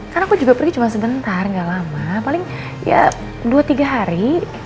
karena aku juga pergi cuma sebentar gak lama paling ya dua tiga hari